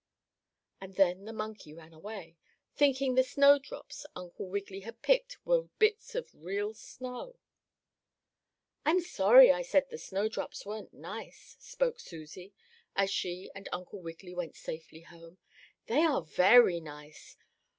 And then the monkey ran away, thinking the snowdrops Uncle Wiggily had picked were bits of real snow. "I'm sorry I said the snowdrops weren't nice," spoke Susie, as she and Uncle Wiggily went safely home. "They are very nice.